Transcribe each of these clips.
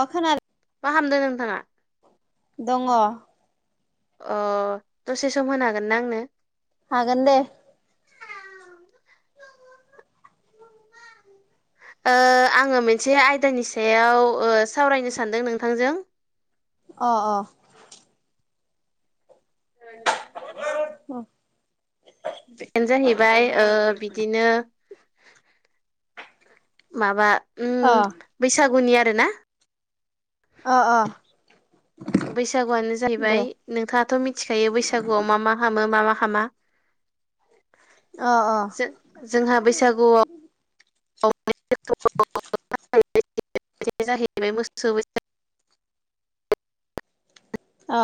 अ खोना मा खामदों नोंथाङा? दङ। ओ दसे सम होनो हागोन ना आंनो? हागोन दे। ओ आङो मोनसे आयदानि सायाव ओ सावरायनो सानदों नोंथांजों। अ अ। [inaudible] बेनो जाहैबाय ओ बिदिनो माबा अ उम बैसागुनि आरो ना। अ अ। बैसागुआनो दे जाहैबाय नोंथाङाथ' मिथिखायो बैसागुआव मा मा हामो मा मा हामा। अ अ। जोंहा बैसागुआव। जाहैबाय मोस अ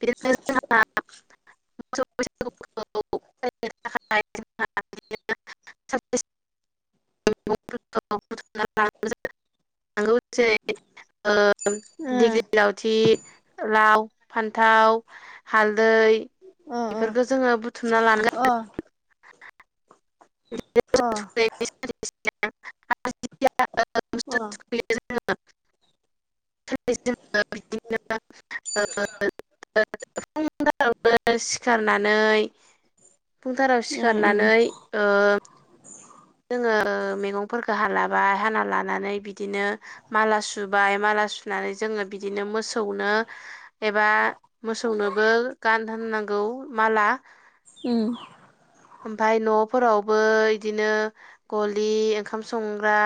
बिदिनो जोंहा मोसौ बैसागु। [inaudible] [inaudible] [unintelligible] ओ जेरै उम दिग्लि लावथि फान्थाव हालदै अ बेफोरखौ जोङो बुथुमना लानो। अ। अ [unintelligible] [unintelligible] [unintelligible] अ फुंथारावनो सिखारनानै फुंथाराव उम उम सिखारनानै ओ जोङो मैगंखो हालाबाय हाना लानानै बिदिनो माला सु बाय माला सुनानै जोङो बिदिनो मोसौनो एबा मोसौनोबो गानहोनांगौ माला उम। ओमफाय न'फोरावबो इदिनो गलि ओंखाम संग्रा।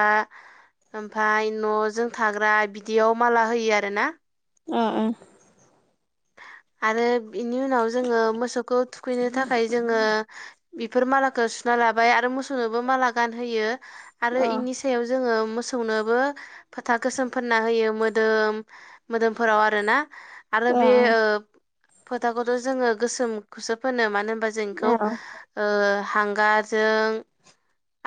ओमफाय न'जों थाग्रा बिदियाव माला होयो आरोना। अ‌ अ आरो बेनि उनाव जोङो मोसौखौ थुखैनो थाखाय जोङो। बेफोर मालाखौ सुना लाबाय आरो मोसौनोबो माला गानहोयो आरो अ इनि सायाव जोङो मोसौ सौनोबो फोथा गोसोमफोरोनना होयो मोदोम मोदोमफोराव आरोना। आरो अ बे फोथाखौथ' जोङो गोसोमखौसो फोनो मानो होनबा जोंखौ अ ओ हांगारजों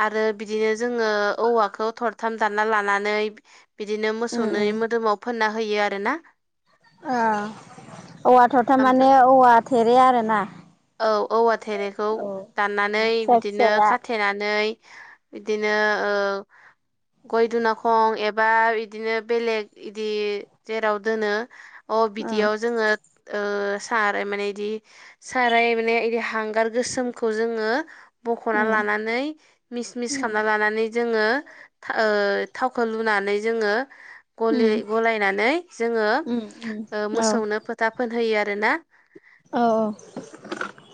आरो बिदिनो जोङो औवाखौ थरथाम दानना लानानै बिदिनो उम मोसौनो उम मोदोमाव फोनना होयो आरोना। औ औवाथ' ओमफ्राय थारमाने औवा थेरे आरो ना। औ औवा थेरेखौ दाननानै फिसा बिदिनो फिसाया खाथेनानै। नानै बिदिनो गय दनााखं एबा बिदिनो बेलेग बिदि जेराव दोनो। अ उम बिदियाव जोङो सार माने बिदि साराय माने बिदि हांगार गोसोमखौ जोङो बख'ना उम लानानै। मिक्स मिक्स उम खालामना लानानै जोङो थावखौ लुनानै जोङो। उम गलि गलायनानै जोङो उम उम औ मोसौनो फोथा फोनहोयो आरोना। औ औ।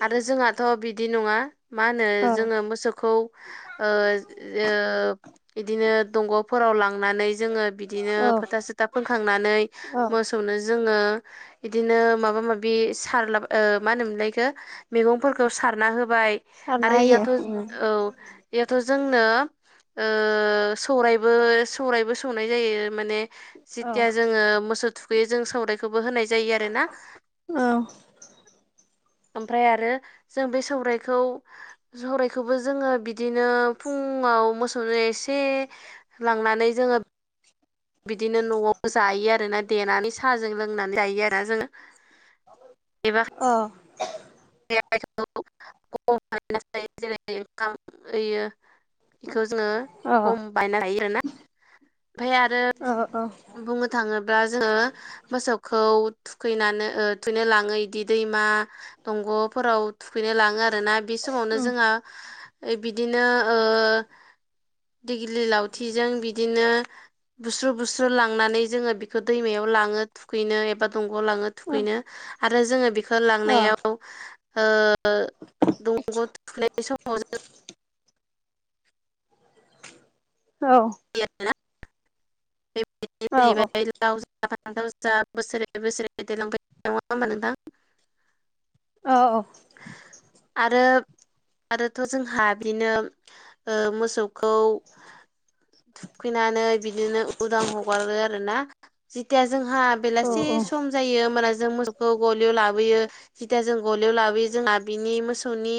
आरो जोंहाथ' बिदि नङा मा होनो औ जोङो मोसौखौ। बिदिनो दंग' नानै ज औ फ औ औ सनो जोङो बिदिनो माबा माबि सारला मा होनोमोनलायखो मैगंफोरखौ सारना होबाय। सारना आरो होयो इयथ' उम औ। बेयावथ' जोंनो सौरायबो सौरायबो सौनाय जायो माने। औ जिथिया जोङो मोसौ थुखैयो जों सौवरायखौबो होनाय जायो आरोना औ ओमफ्राय आरो जों बे सौरायखौ सौरायखौबो जोङो बिदिनो फुङाव मोसौनो एसे लांनानै जोङो बिदिनो न'आव जायो आरोना देनानै साहाजों लोंनानै जायो आरो ना जोङो एबा अ [unintelligible] जेरै ओंखाम होयो बेखौ जोङो औ औ खम बायनो हायो आरोना ओमफ्राय आरो औ औ बुंनो थाङोब्ला जोङो मोसौखौ थुखैनानै थुखैनो लाङो बिदि दैमा दंग'फोराव थुखैनो लाङो आरोना बे समावनो जोंहा बिदिनो ओ दिग्लि लावथिजों बिदिनो बुस्रु बुस्रु लांनानै जोङो बेखौ दैमायाव लाङो थुखैनो एबा दंग'आव लाङो थुखैनो आरो जोङो बेखौ लांनायाव दंग'आव थुखैनाय समाव जों औ आरोना [unintelligible] बाय लाव जा फान्थाव जा बोसोरै बोसोरै देरलांबाय [unintelligible] नङा होमबा नोंथां औ आरो आरोथ' जोंहा बिदिनो मोसौखौ थुखैनानै बिदिनो उदां हगारो आरोना जेथिया जोंहा बेलासे सम जायो होमबाना जों मोसौखौ गलियाव लाबोयो जिथा जों गलियाव लाबो जोंहा बिनि मोसौनि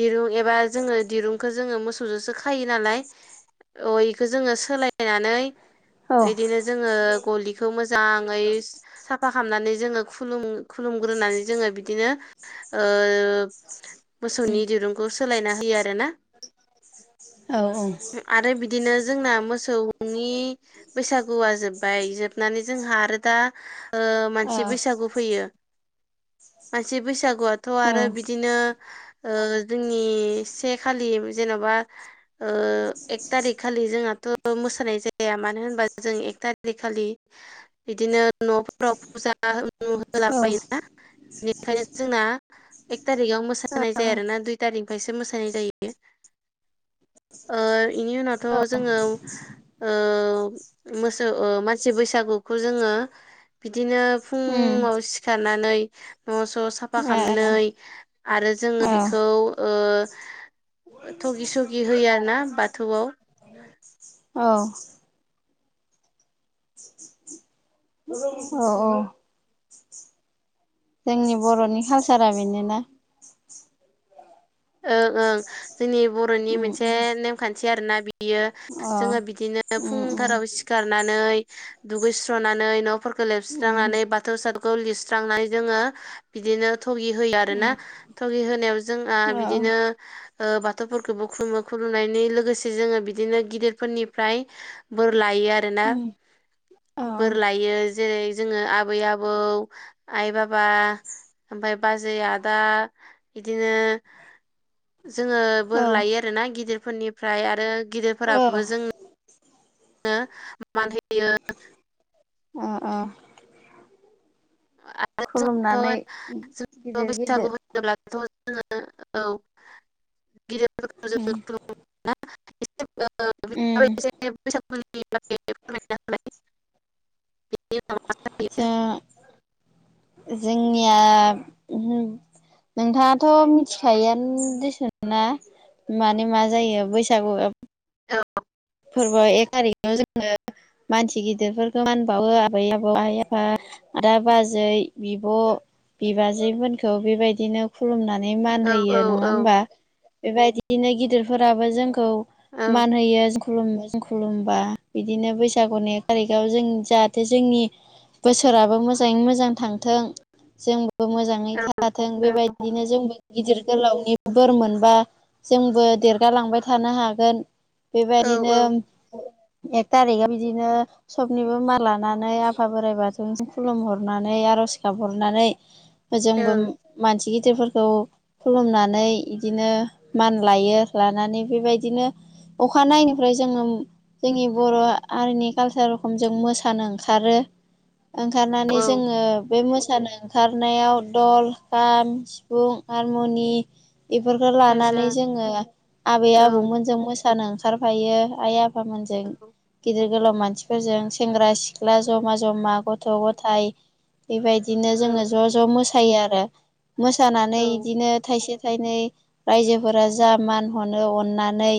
दिरुं एबा जोङो दिरुंखौ जोङो मोसौजोंसो खायो नालाय अ बेखौ जोङो सोलायनानै इदिनो जोङो गलिखौ मोजाङै साफा खालामनानै जोङो खुलुम खुलुमग्रोनानै जोङो बिदिनो मोसौनि दिरुंखौ सोलायना होयो आरोना आरो बिदिनो जोंना मोसौनि बैसागुआ जोब्बाय जोबनानै जोंहा आरो दा मानसि जोंनि बैसागु फैयो मानसि बैसागुआथ' आरो बिदिनो नो जोंनि से खालि जेन'बा एक थारिख खालि जोंहाथ' मोसानाय जाया मानो होनबा जों एक थारिक खालि बिदिनो न' राव फुजा होला [unintelligible] बेनिखायनो जोंना एक थारिकाव मोसानाय जाया आरोना दुइ तारिकनिफ्रायसो मोसानाय जायो। बेनि उनावथ' जोङो मोसौ मानसि बैसागुखौ जोङो बिदिनो फुङाव सिखारनानै न' स' सा खालामनानै आरो जोङो बिखौ थुगि सुगि होयो आरोना बाथौआव औ अ औ जोंनि बर'नि कालसारा बेनोना ओं ओं जोंनि बर'नि अ मोनसे नेमखान्थि आरोना बि बियो जोङो बिदिनो उम उम फुंथाराव सिखारनानै दुगैस्रनानै न'फोरखौ उम लेबस्रांनानै बाथौ सा लिरस्रांनानै जोङो बिदिनो थगि होयो आरो ना उम थगि होनायाव जोंहा औ बिदिनो ओ बाथौफोरखौबो खुलुमो खुलुमनायनि लोगोसे जोङो बिदिनो गिदिरफोरनिफ्राय बोर लायो आरोना उम औ बोर लायो जेरै जोङो आबै आबौ आइ बाबा ओमफ्राय बाजै आदा बिदिनो जोङो बोर लायो आरोना गिदिरफोरनिफ्राय आरो औ गिदिरफोराबो जों नो मान होयो अ अ आरो खुलुमनानै जोंथ' जों गिदिर गिदिर [unintelligible] औ गिदिरफोरखौ उम जोङो उम [unintelligible] होलाय ओ जोंनिया [unintelligible] नोंथाङाथ' मिथिखायोआनो दिसुन ना माने मा जायो बैसागु औ फोरबो एक थारिखाव जोङो मानसि गिदिरफोरखौ मानबावो आबै आबौ आइ आफा दा बाजै बिब' बिबाजै मोनखौ बेबायदिनो खुलुमनानै मान औ औ होयो नङा औ होमबा बेबायदिनो गिदिरफोराबो जों औ उम मान होयो उम जों खुलुमोबा बिदिनो बैसागुनि एक थारिखाव जों जाहाथे जोंनि बोसोराबो मोजाङै मोजां थांथों जों मोजाङै थाथों बेबायदिनो जों गिदिर गोलावनि बोर मोनबा जोंबो देरगालांबाय थानो हागोन बेबाय औ बिदिनो एक थारिकआव बिदिनो सबनिबो मा लानानै आफा बोराइ बाथौ खुलुम हरनानै आरज गाबहरनानै जोंबो ओं मानसि गिदिरफोरखौ खुलुमनानै बिदिनो मान लायो लानानै बेबायदिनो अखा नाय ओमफ्राय जोङो जोंनि बर' हारिनि कालसार रखम जों मोसानो ओंखारो ओंखारनानै औ जोङो बे मोसानो खारनायाव दल खाम सिफुं हारमुनि बेफोरखौ सेरजा लानानै जोङो आबै ओं आबौमोनजों मोसानो ओंखारफायो आइ आफ फामोनजों गिदिर गोलाव मानसिफोरजों सेंग्रा सिख्ला औ जमा जमा गथ' गथ' गथायाइ बेबायदिनो औ जोङो ज' ज' मोसायो आरो। मोसानानै बिदिनो थाइसे थायनै रायजोफोरा जा मान हरो अननानै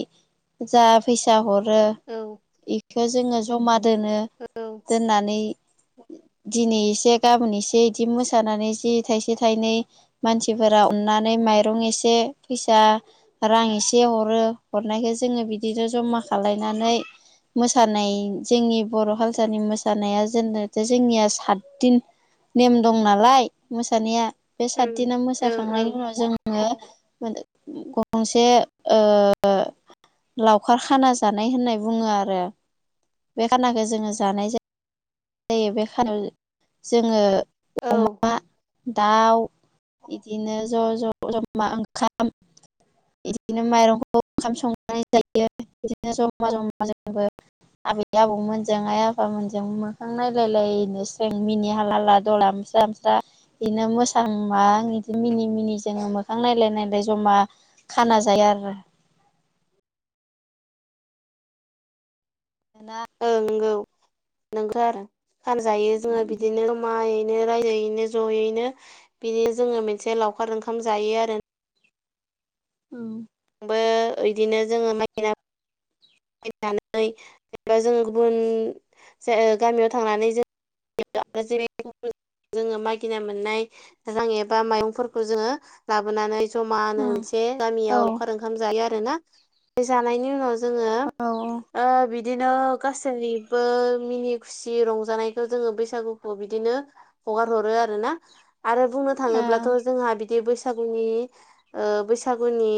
जा फैसा हरो औ बेखौ जोङो जमा दोनो। औ दोननानै दिनै एसे गाबोन एसे बिदि मोसानानै जि थाइसे थाइनै मानसिफोरा अननानै माइरं एसे फैसा रां एसे हरो हरनायखो जोङो बिदिनो जमा खालायनानै मोसानाय जोंनि बर' खालसारनि मोसानाया जोंनिया सातदिन नेम दं नालाय मोसानाया बे सातदिना ओं मोसाखांनायनि उनाव जों [unintelligible] गंसे ओ लावखार खाना जानाय होननाय बुङो आरो बे खानाखो जोङो जानाय जायो। जायो बे खाव जोङो औ। अमा दाउ बिदिनो ज' ज' जमा ओंखाम बिदिनो माइरंखौ ओंखाम संनानै जायो बिदिनो ज'मा जमा जोंबो आबै आबौमोनजों आइ आफामोनजों ां नायलायलायनोसों मिनि हाला हाला दलास्रा मस्रा बिदिनो मोसा मा बिदि मिनि मिनि जोङो मोखां नायलाय नायलाय जमा खाना जाया आरो। जा नंगौ नोंथ आरो फानजायो जोङो बिदिनो मायैनो रायजोयैनो ज'यैनो बिदि जोङो मोनसे लावखार ओंखाम जायो आरो। औ। आबो बिदिनो जोङो माइना नानै जेनेबा जोङो गुबुन गामियाव थांनानै जों जोङो मागिना मोननाय रां एबा माइंफोरखौ जोङो लाबोनानै जमा होनो मोनसे औ गामियाव लावखार ओंखाम जायो आरो ना बे जानायनि उनाव जोङो औ बिदिनो गासैबो मिनि सि रंजानायखौ जोङो बैसागुखौ बिदिनो हगार हरो आरो ना आरो बुंनो औ थाङोब्लाथ' जोंहा बिदि बैसागुनि बैसागुनि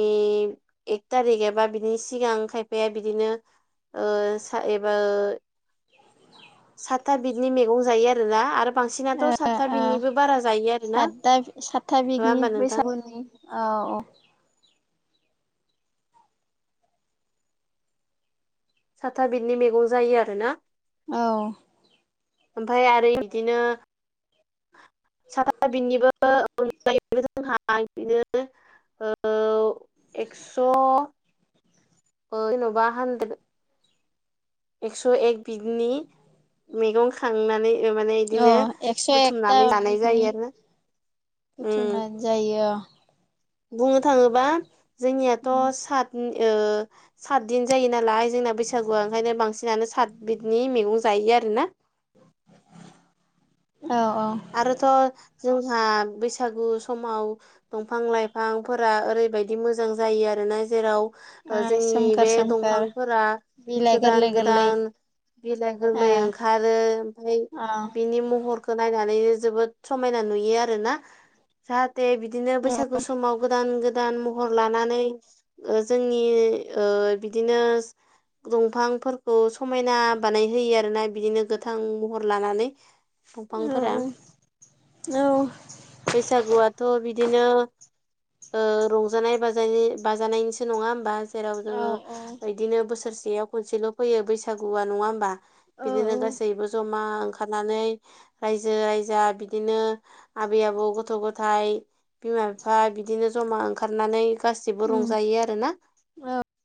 एक थारिक एबा बिदिनि सिगां खायफाया बिदिनो एबा सातथा बिदनि मैगं जायो आरो ना आरो। बांसिनाथ' सातथा बिनिबो बारा जायो आरोना नङा सातथा सातथा बिगनि होमबा नोंथां। बैसागुनि औ औ। साथा बिदनि मैगं जायो आरो ना। औ। ओमफफ्राय आरो बिदिनो साथााबिनिबो अनाय जोंहा नो एक्स' जेन'बा हानद्रेद एकस' एक बिगनि मैगं खांनानै माने औ बिदिनो एकस' एकथा बुथुमनानै जानाय बिगनि जायो आरो बुथुमनाय जायो। बुंनो थाङोबा जोंनियाथ' सात सातदिन जायो नालाय जोंना बैसागुआ ओंखायनो बांसिनानो सात बिदनि मैगं जायो आरोना औ औ। आरोथ' जोंहा बैसागु समाव दंफां लाइफांफोरा ओरैबायदि मोजां जायो आरोना जेराव ओ जोंनि सोमखोर बे सोमखोर दंफांफोरा बिलाइ गोरलै गोदान गोरलै गोदान बिलाइ गोरलै ओ ओंखारो ओमफफ्राय औ बिनि महरखौ नायनानै जोबोद समायना नुयो आरोना जाहाथे बिदिनो औ बैसागु समाव गोदान गोदान महर लानानै जोंनि बिदिनो दंफांफोरखौ समायना बानायहोयो आरोना बिदिनो गोथां महर लानानै औ बिफांफोरा बैसागुआथ' बिदिनो ओ रंजानाय बाज बाजानायनिसो नङा होमबा? जेराव औ जोङो बिदिनो बोसोरसेयाव खनसेल' फैयो बैसागुआ नङा होमबा? औ बिदिनो गासैबो जमा ओंखारनानै रायजो राजा बिदिनो आबै आबौ गथ' गथाया बिमा बिफा बिदिनो जमा ओंखारनानै गासिबो उम रंजायो आरोना। औ